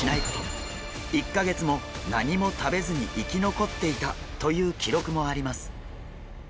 １か月も何も食べずに生き残っていたという記録もあります。